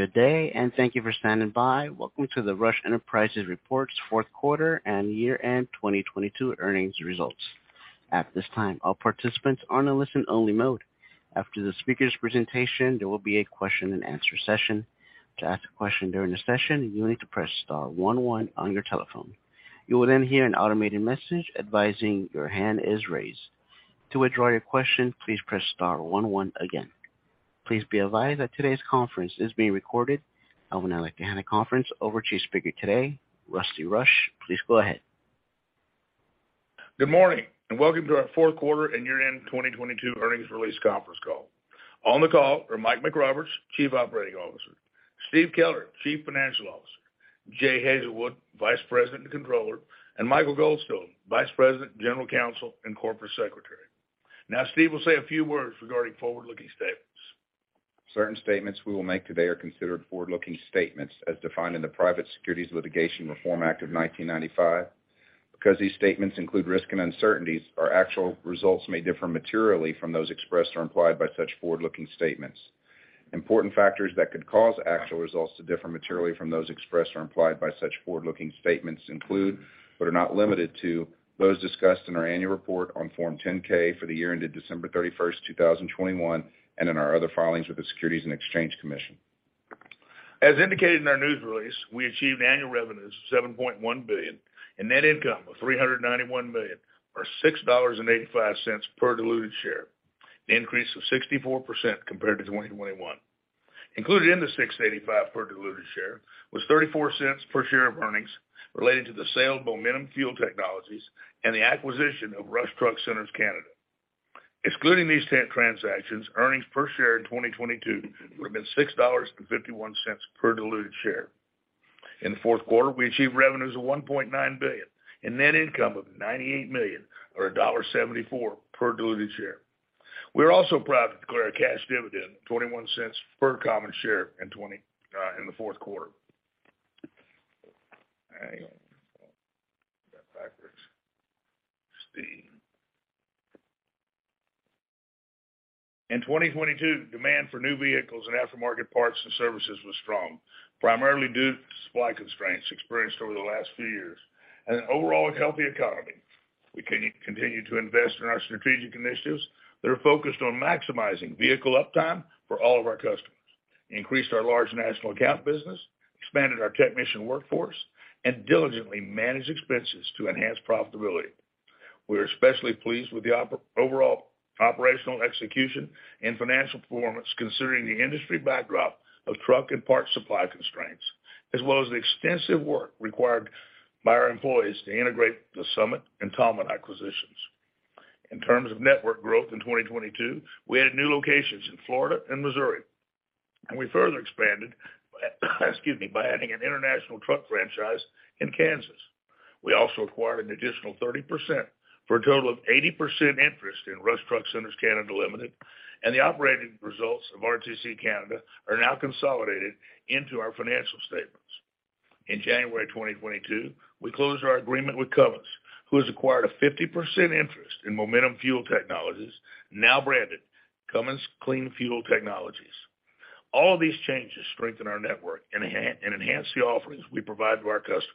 Good day, thank you for standing by. Welcome to the Rush Enterprises Reports fourth quarter and year-end 2022 earnings results. At this time, all participants are in a listen-only mode. After the speaker's presentation, there will be a question-and-answer session. To ask a question during the session, you will need to press star one one on your telephone. You will hear an automated message advising your hand is raised. To withdraw your question, please press star one one again. Please be advised that today's conference is being recorded. I would now like to hand the conference over to speaker today, Rusty Rush. Please go ahead. Good morning, welcome to our fourth quarter and year-end 2022 earnings release conference call. On the call are Mike McRoberts, Chief Operating Officer, Steve Keller, Chief Financial Officer, Jay Hazelwood, Vice President and Controller, and Michael Goldstone, Vice President, General Counsel, and Corporate Secretary. Steve will say a few words regarding forward-looking statements. Certain statements we will make today are considered forward-looking statements as defined in the Private Securities Litigation Reform Act of 1995. Because these statements include risks and uncertainties, our actual results may differ materially from those expressed or implied by such forward-looking statements. Important factors that could cause actual results to differ materially from those expressed or implied by such forward-looking statements include, but are not limited to, those discussed in our annual report on Form 10-K for the year ended December 31st, 2021, and in our other filings with the Securities and Exchange Commission. As indicated in our news release, we achieved annual revenues of $7.1 billion and net income of $391 million, or $6.85 per diluted share, an increase of 64% compared to 2021. Included in the $6.85 per diluted share was $0.34 per share of earnings related to the sale of Momentum Fuel Technologies and the acquisition of Rush Truck Centres Canada. Excluding these transactions, earnings per share in 2022 would have been $6.51 per diluted share. In the fourth quarter, we achieved revenues of $1.9 billion and net income of $98 million or $1.74 per diluted share. We are also proud to declare a cash dividend of $0.21 per common share in the fourth quarter. Hang on. Got backwards. Steve. In 2022, demand for new vehicles and aftermarket parts and services was strong, primarily due to supply constraints experienced over the last few years and an overall healthy economy. We continue to invest in our strategic initiatives that are focused on maximizing vehicle uptime for all of our customers, increased our large national account business, expanded our technician workforce, and diligently managed expenses to enhance profitability. We are especially pleased with the overall operational execution and financial performance considering the industry backdrop of truck and parts supply constraints, as well as the extensive work required by our employees to integrate the Summit and Tallman acquisitions. In terms of network growth in 2022, we added new locations in Florida and Missouri. We further expanded, excuse me, by adding an International Truck franchise in Kansas. We also acquired an additional 30%, for a total of 80% interest in Rush Truck Centres of Canada Limited. The operating results of RTC Canada are now consolidated into our financial statements. In January 2022, we closed our agreement with Cummins, who has acquired a 50% interest in Momentum Fuel Technologies, now branded Cummins Clean Fuel Technologies. All of these changes strengthen our network and enhance the offerings we provide to our customers.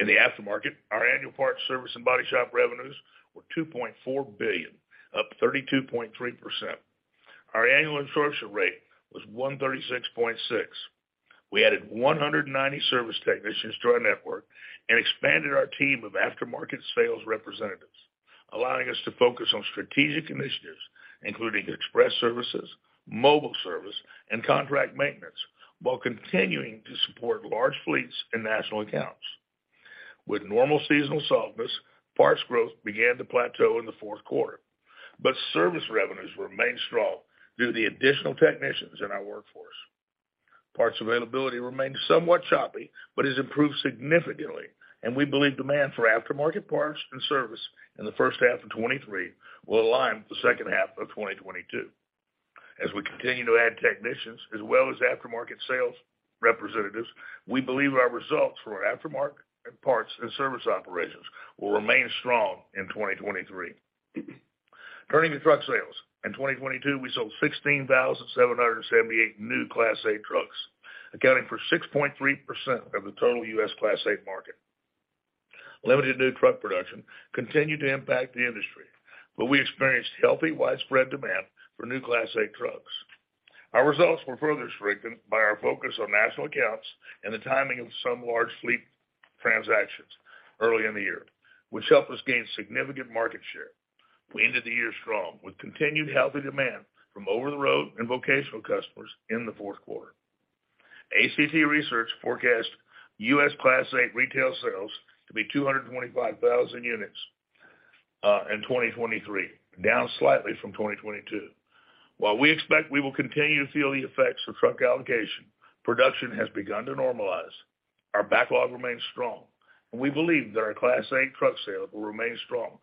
In the aftermarket, our annual parts service and body shop revenues were $2.4 billion, up 32.3%. Our annual absorption rate was 136.6. We added 190 service technicians to our network and expanded our team of aftermarket sales representatives, allowing us to focus on strategic initiatives, including express services, mobile service, and contract maintenance, while continuing to support large fleets and national accounts. With normal seasonal softness, parts growth began to plateau in the fourth quarter, but service revenues remained strong due to the additional technicians in our workforce. Parts availability remained somewhat choppy but has improved significantly, and we believe demand for aftermarket parts and service in the first half of 2023 will align with the second half of 2022. As we continue to add technicians as well as aftermarket sales representatives, we believe our results for our aftermarket parts and service operations will remain strong in 2023. Turning to truck sales. In 2022, we sold 16,778 new Class A trucks, accounting for 6.3% of the total U.S. Class A market. Limited new truck production continued to impact the industry, but we experienced healthy, widespread demand for new Class A trucks. Our results were further strengthened by our focus on national accounts and the timing of some large fleet transactions early in the year, which helped us gain significant market share. We ended the year strong with continued healthy demand from over-the-road and vocational customers in the fourth quarter. ACT Research forecast U.S. Class A retail sales to be 225,000 units in 2023, down slightly from 2022. While we expect we will continue to feel the effects of truck allocation, production has begun to normalize. Our backlog remains strong, and we believe that our Class A truck sales will remain strong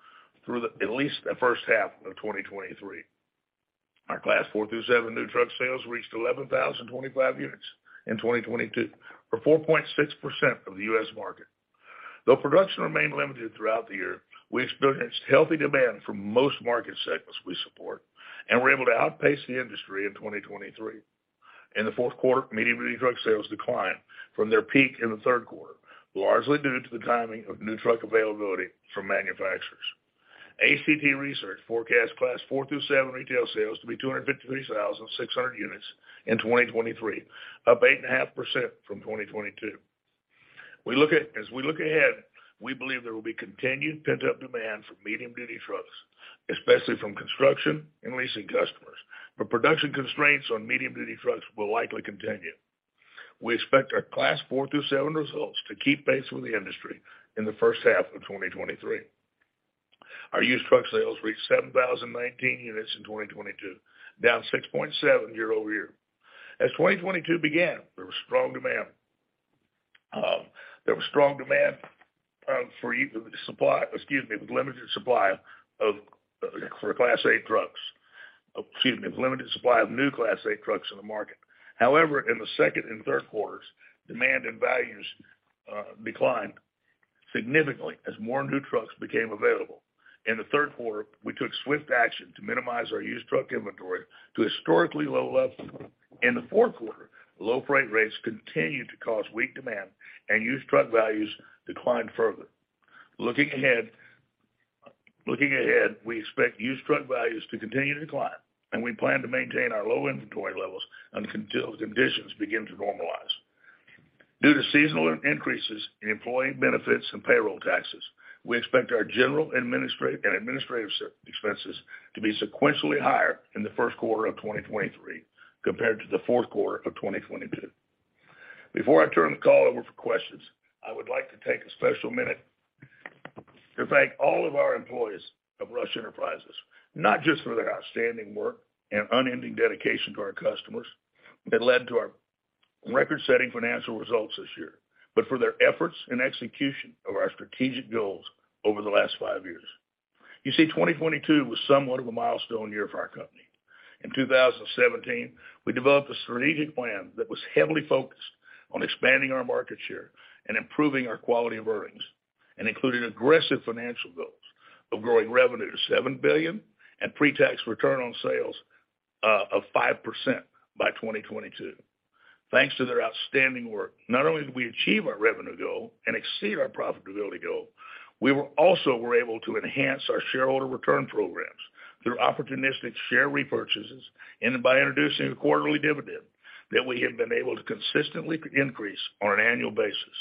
through at least the first half of 2023. Our Class 4 through 7 new truck sales reached 11,025 units in 2022, for 4.6% of the U.S. market. Though production remained limited throughout the year, we experienced healthy demand from most market segments we support and were able to outpace the industry in 2023. In the fourth quarter, medium-duty truck sales declined from their peak in the third quarter, largely due to the timing of new truck availability from manufacturers. ACT Research forecasts Class 4 through 7 retail sales to be 253,600 units in 2023, up 8.5% from 2022. As we look ahead, we believe there will be continued pent-up demand for medium-duty trucks, especially from construction and leasing customers. Production constraints on medium-duty trucks will likely continue. We expect our Class four through seven results to keep pace with the industry in the first half of 2023. Our used truck sales reached 7,019 units in 2022, down 6.7% year-over-year. 2022 began, there was strong demand. Excuse me, with limited supply of new Class A trucks in the market. In the second and third quarters, demand and values declined significantly as more new trucks became available. In the third quarter, we took swift action to minimize our used truck inventory to historically low levels. In the fourth quarter, low freight rates continued to cause weak demand and used truck values declined further. Looking ahead, we expect used truck values to continue to decline, and we plan to maintain our low inventory levels until conditions begin to normalize. Due to seasonal increases in employee benefits and payroll taxes, we expect our general and administrative expenses to be sequentially higher in the first quarter of 2023 compared to the fourth quarter of 2022. Before I turn the call over for questions, I would like to take a special minute to thank all of our employees of Rush Enterprises, not just for their outstanding work and unending dedication to our customers that led to our record-setting financial results this year, but for their efforts and execution of our strategic goals over the last five years. You see, 2022 was somewhat of a milestone year for our company. In 2017, we developed a strategic plan that was heavily focused on expanding our market share and improving our quality of earnings, and including aggressive financial goals of growing revenue to $7 billion and pre-tax return on sales of 5% by 2022. Thanks to their outstanding work, not only did we achieve our revenue goal and exceed our profitability goal, we were also able to enhance our shareholder return programs through opportunistic share repurchases and by introducing a quarterly dividend that we have been able to consistently increase on an annual basis.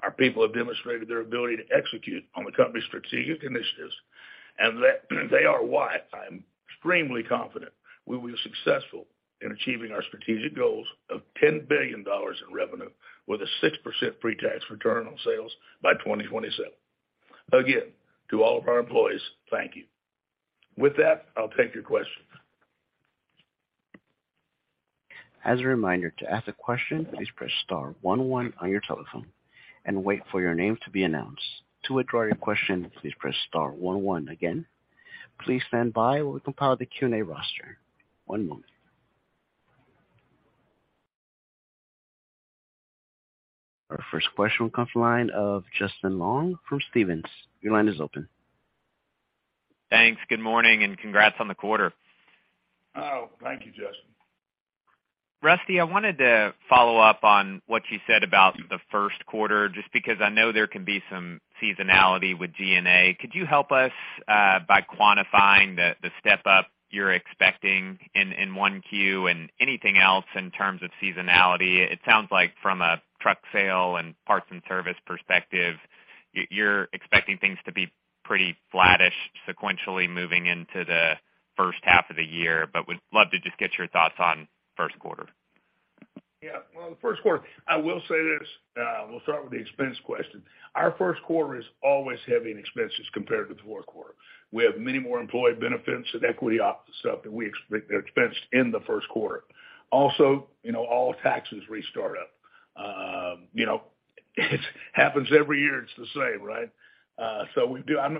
Our people have demonstrated their ability to execute on the company's strategic initiatives, they are why I am extremely confident we'll be successful in achieving our strategic goals of $10 billion in revenue with a 6% pre-tax return on sales by 2027. Again, to all of our employees, thank you. With that, I'll take your questions. As a reminder, to ask a question, please press star one one on your telephone and wait for your name to be announced. To withdraw your question, please press star one one again. Please stand by while we compile the Q&A roster. One moment. Our first question comes from the line of Justin Long from Stephens. Your line is open. Thanks. Good morning and congrats on the quarter. Oh, thank you, Justin. Rusty, I wanted to follow up on what you said about the first quarter, just because I know there can be some seasonality with SG&A. Could you help us by quantifying the step up you're expecting in 1Q and anything else in terms of seasonality? It sounds like from a truck sale and parts and service perspective, you're expecting things to be pretty flattish sequentially moving into the first half of the year, but would love to just get your thoughts on first quarter. Yeah. Well, the first quarter, I will say this, we'll start with the expense question. Our first quarter is always heavy in expenses compared to the fourth quarter. We have many more employee benefits and equity opt-in stuff that we expect are expensed in the first quarter. Also, you know, all taxes restart up. You know, it happens every year, it's the same, right?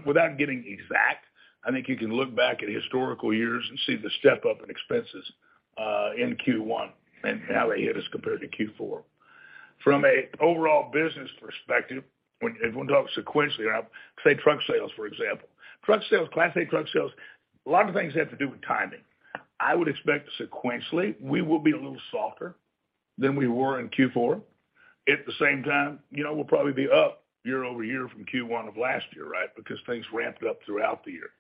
Without getting exact, I think you can look back at historical years and see the step-up in expenses in Q1 and how they hit us compared to Q4. From a overall business perspective, when everyone talks sequentially, say, truck sales, for example. Truck sales, Class A truck sales, a lot of things have to do with timing. I would expect sequentially, we will be a little softer than we were in Q4. At the same time, you know, we'll probably be up year-over-year from Q1 of last year, right? Because things ramped up throughout the year.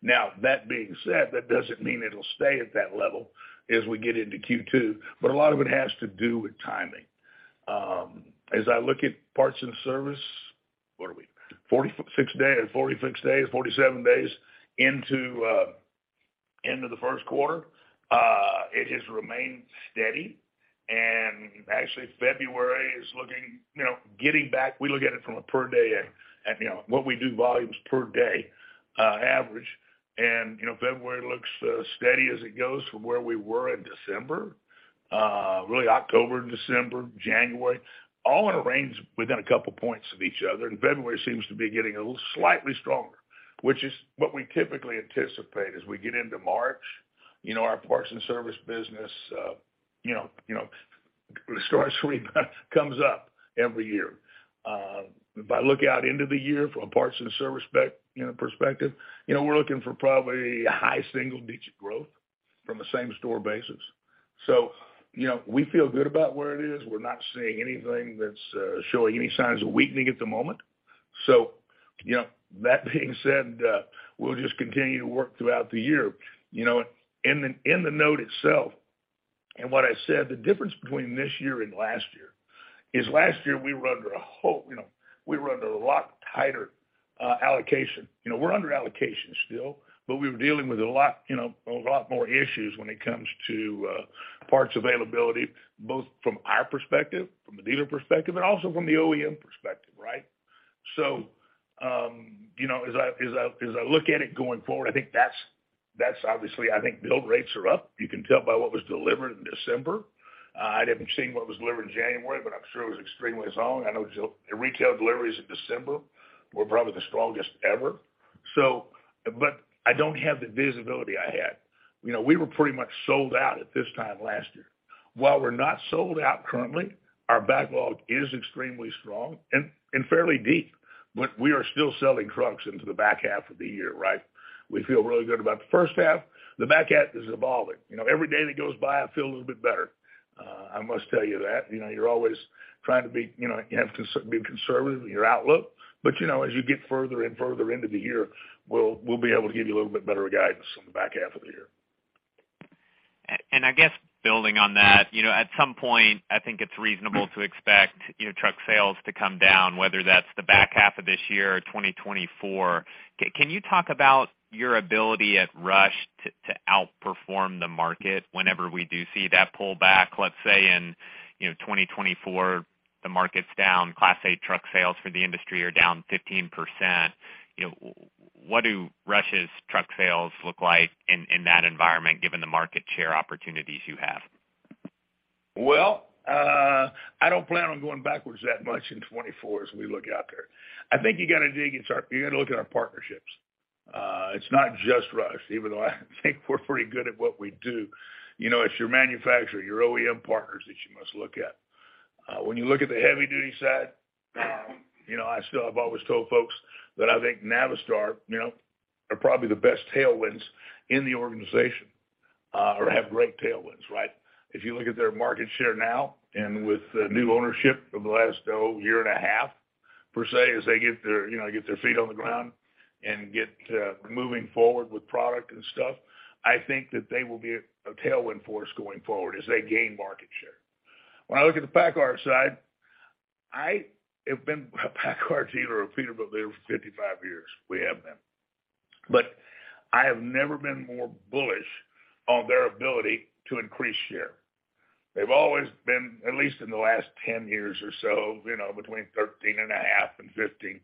Now, that being said, that doesn't mean it'll stay at that level as we get into Q2, but a lot of it has to do with timing. As I look at parts and service, what are we? 47 days into the first quarter, it has remained steady. Actually, February is looking, you know, getting back, we look at it from a per day and, you know, what we do volumes per day, average. You know, February looks, steady as it goes from where we were in December. Really October, December, January, all in a range within a couple points of each other. February seems to be getting a little slightly stronger, which is what we typically anticipate as we get into March. You know, our parts and service business, you know, store sweep comes up every year. If I look out into the year from a parts and service perspective, you know, we're looking for probably a high single-digit growth from the same store basis. We feel good about where it is. We're not seeing anything that's showing any signs of weakening at the moment. That being said, we'll just continue to work throughout the year. You know, in the note itself, and what I said, the difference between this year and last year is last year we were under a lot tighter allocation. You know, we're under allocation still, but we were dealing with a lot, you know, a lot more issues when it comes to parts availability, both from our perspective, from a dealer perspective, and also from the OEM perspective, right. You know, as I look at it going forward, I think that's obviously. I think build rates are up. You can tell by what was delivered in December. I haven't seen what was delivered in January, but I'm sure it was extremely strong. I know retail deliveries in December were probably the strongest ever. I don't have the visibility I had. You know, we were pretty much sold out at this time last year. While we're not sold out currently, our backlog is extremely strong and fairly deep, but we are still selling trucks into the back half of the year, right? We feel really good about the first half. The back half is evolving. You know, every day that goes by, I feel a little bit better, I must tell you that. You know, you're always trying to be, you have to be conservative in your outlook. You know, as you get further and further into the year, we'll be able to give you a little bit better guidance on the back half of the year. I guess building on that, you know, at some point, I think it's reasonable to expect, you know, truck sales to come down, whether that's the back half of this year or 2024. Can you talk about your ability at Rush to outperform the market whenever we do see that pullback? Let's say in, you know, 2024, the market's down, Class A truck sales for the industry are down 15%. You know, what do Rush's truck sales look like in that environment, given the market share opportunities you have? I don't plan on going backwards that much in 2024 as we look out there. I think you gotta dig into our... You gotta look at our partnerships. It's not just Rush, even though I think we're pretty good at what we do. You know, it's your manufacturer, your OEM partners that you must look at. When you look at the heavy duty side, you know, I still have always told folks that I think Navistar, you know, are probably the best tailwinds in the organization, or have great tailwinds, right? If you look at their market share now and with the new ownership of the last, oh, year and a half, per se, as they get their, you know, get their feet on the ground and get moving forward with product and stuff, I think that they will be a tailwind force going forward as they gain market share. When I look at the PACCAR side, I have been a PACCAR dealer, a Peterbilt dealer for 55 years, we have been. I have never been more bullish on their ability to increase share. They've always been, at least in the last 10 years or so, you know, between 13.5% and 15%.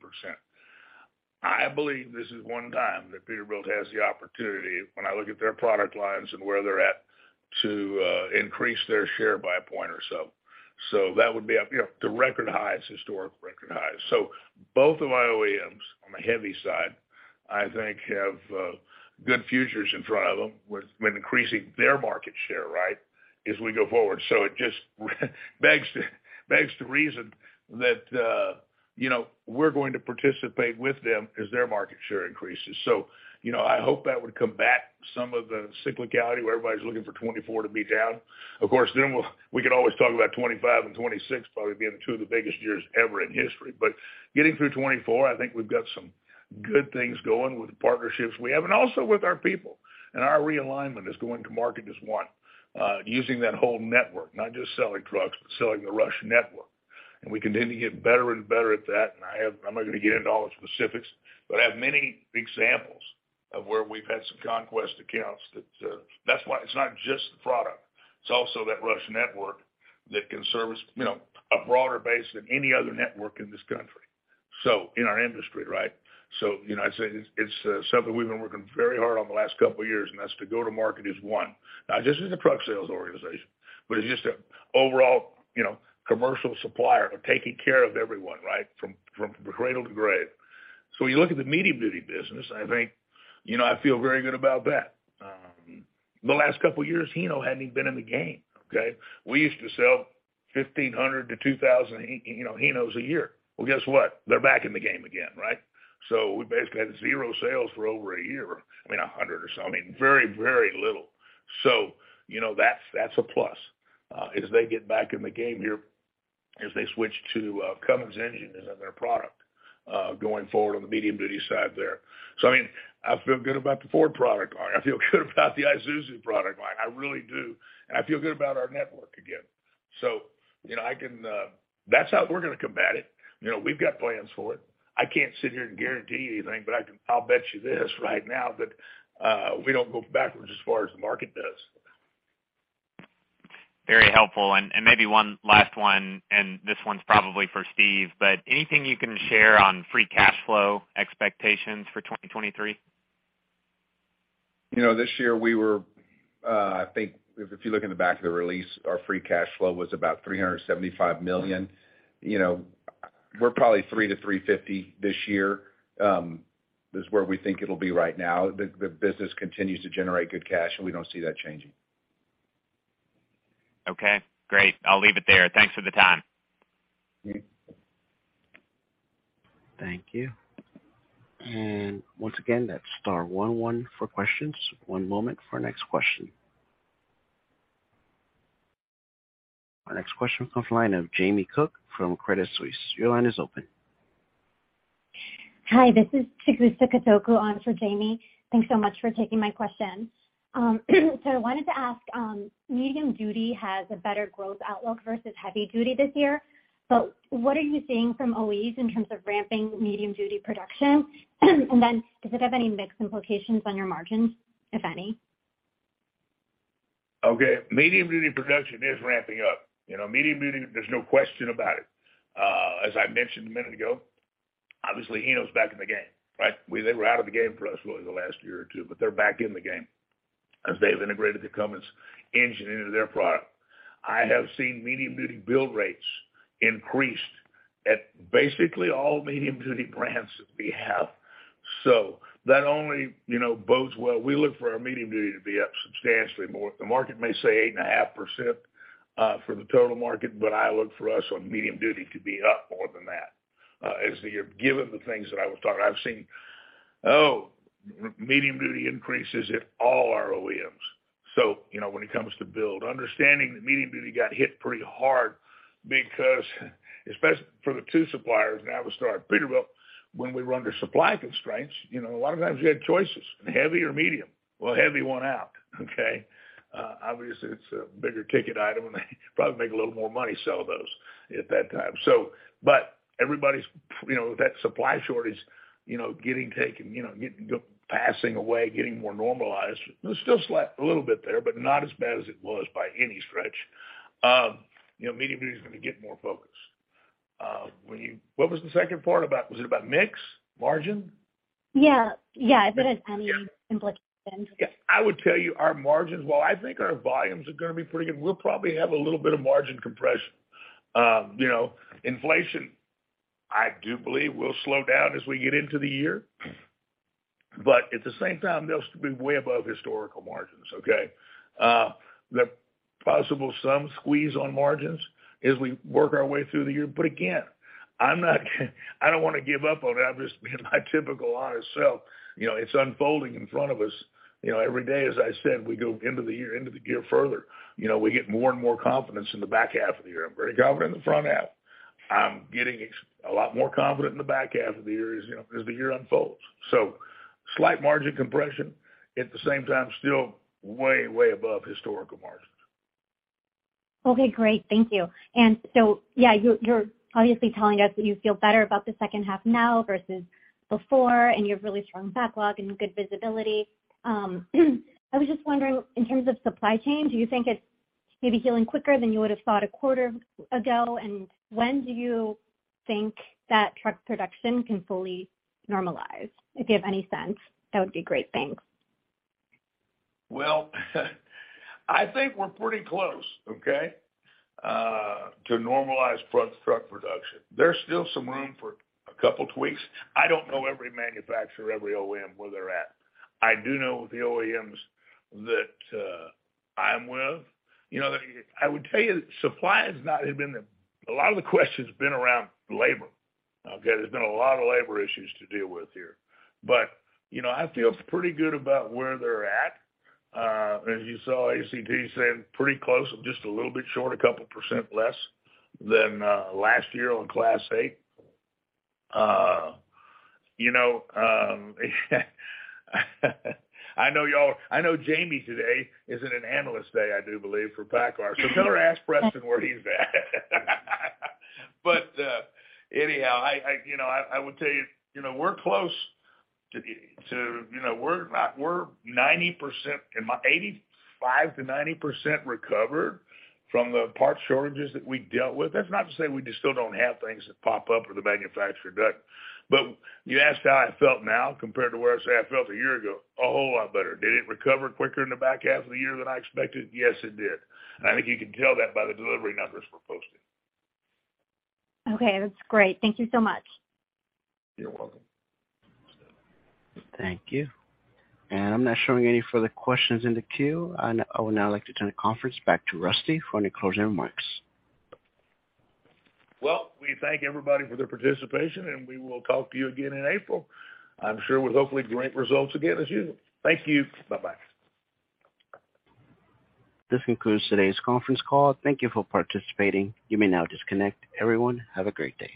I believe this is one time that Peterbilt has the opportunity, when I look at their product lines and where they're at, to increase their share by 1 point or so. That would be up, you know, to record highs, historic record highs. Both of my OEMs on the heavy side, I think have good futures in front of them with increasing their market share, right, as we go forward. It just begs to reason that, you know, we're going to participate with them as their market share increases. You know, I hope that would combat some of the cyclicality where everybody's looking for 2024 to be down. Of course, we could always talk about 2025 and 2026 probably being two of the biggest years ever in history. Getting through 2024, I think we've got some good things going with the partnerships we have and also with our people. Our realignment as going to market as one, using that whole network, not just selling trucks, but selling the Rush network. I continue to get better and better at that. I'm not gonna get into all the specifics, but I have many examples of where we've had some conquest accounts that's why it's not just the product, it's also that Rush network that can service, you know, a broader base than any other network in this country, so, in our industry, right? You know, I'd say it's something we've been working very hard on the last couple of years, and that's to go to market as one, not just as a truck sales organization, but as just an overall, you know, commercial supplier of taking care of everyone, right? From cradle to grave. When you look at the medium-duty business, I think, you know, I feel very good about that. The last couple of years, Hino hadn't even been in the game, okay? We used to sell 1,500-2,000, you know, Hinos a year. Guess what? They're back in the game again, right? We basically had 0 sales for over a year. I mean, 100 or so. I mean, very, very little. You know, that's a plus, as they get back in the game here, as they switch to Cummins engines in their product, going forward on the medium-duty side there. I mean, I feel good about the Ford product line. I feel good about the Isuzu product line. I really do. I feel good about our network again. You know, I can, that's how we're gonna combat it. You know, we've got plans for it. I can't sit here and guarantee you anything, but I can, I'll bet you this right now that, we don't go backwards as far as the market does. Very helpful. maybe one last one, and this one's probably for Steve, anything you can share on free cash flow expectations for 2023? You know, this year we were, I think if you look in the back of the release, our free cash flow was about $375 million. You know. We're probably $3-$350 this year, is where we think it'll be right now. The business continues to generate good cash. We don't see that changing. Okay, great. I'll leave it there. Thanks for the time. Thank you. Once again, that's star one one for questions. One moment for our next question. Our next question comes from the line of Jamie Cook from Credit Suisse. Your line is open. Hi, this is Tatevik Gukasyan on for Jamie. Thanks so much for taking my question. I wanted to ask, medium duty has a better growth outlook versus heavy duty this year, but what are you seeing from OEMs in terms of ramping medium duty production? Does it have any mix implications on your margins, if any? Okay. Medium-duty production is ramping up. You know, medium duty, there's no question about it. As I mentioned a minute ago, obviously, Hino's back in the game, right? They were out of the game for us for the last year or two, but they're back in the game as they've integrated the Cummins engine into their product. I have seen medium-duty build rates increased at basically all medium-duty brands that we have. That only, you know, bodes well. We look for our medium duty to be up substantially more. The market may say 8.5% for the total market, but I look for us on medium duty to be up more than that as the year... Given the things that I was taught, I've seen medium-duty increases at all our OEMs. You know, when it comes to build, understanding that medium duty got hit pretty hard because, especially for the two suppliers, Navistar and Peterbilt, when we were under supply constraints, you know, a lot of times you had choices, heavy or medium. Heavy won out, okay? Obviously, it's a bigger ticket item, and they probably make a little more money selling those at that time. Everybody's, you know, that supply shortage, you know, getting taken, you know, passing away, getting more normalized. There's still a little bit there, but not as bad as it was by any stretch. You know, medium duty is gonna get more focus. When you... What was the second part about? Was it about mix? Margin? Yeah. Yeah. If it has any implications. Yeah. I would tell you our margins, while I think our volumes are gonna be pretty good, we'll probably have a little bit of margin compression. You know, inflation, I do believe, will slow down as we get into the year. At the same time, they'll still be way above historical margins, okay? The possible some squeeze on margins as we work our way through the year. Again, I don't wanna give up on it. I'm just being my typical honest self. You know, it's unfolding in front of us. You know, every day, as I said, we go into the year further. You know, we get more and more confidence in the back half of the year. I'm pretty confident in the front half. I'm getting a lot more confident in the back half of the year as, you know, as the year unfolds. Slight margin compression, at the same time, still way above historical margins. Okay, great. Thank you. Yeah, you're obviously telling us that you feel better about the second half now versus before, and you have really strong backlog and good visibility. I was just wondering, in terms of supply chain, do you think it's maybe healing quicker than you would have thought a quarter ago? When do you think that truck production can fully normalize? If you have any sense, that would be great. Thanks. Well, I think we're pretty close, okay, to normalized truck production. There's still some room for a couple tweaks. I don't know every manufacturer, every OEM, where they're at. I do know the OEMs that I'm with. You know, I would tell you supply has not been the. A lot of the question's been around labor, okay? There's been a lot of labor issues to deal with here. You know, I feel pretty good about where they're at. As you saw, ACT saying pretty close, just a little bit short, a couple Percentage less than last year on Class 8. You know, I know Jamie today is in an analyst day, I do believe, for PACCAR. Tell her I asked Preston where he's at. Anyhow, I, you know, I will tell you know, we're close to, you know, we're 90%, 85%-90% recovered from the parts shortages that we dealt with. That's not to say we just still don't have things that pop up with the manufacturer. You asked how I felt now compared to where I say I felt a year ago, a whole lot better. Did it recover quicker in the back half of the year than I expected? Yes, it did. I think you can tell that by the delivery numbers we're posting. Okay, that's great. Thank you so much. You're welcome. Thank you. I'm not showing any further questions in the queue. I would now like to turn the conference back to Rusty for any closing remarks. Well, we thank everybody for their participation, and we will talk to you again in April. I'm sure with hopefully great results again as usual. Thank you. Bye-bye. This concludes today's conference call. Thank you for participating. You may now disconnect. Everyone, have a great day.